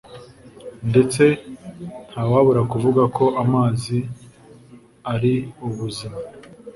ndetse ntawabura kuvuga ko amazi ari ubuzima